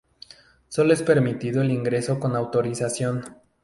Solo es permitido el ingreso con autorización.